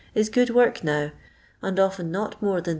is good work now, and often not more than 3d.